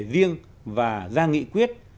riêng và ra nghị quyết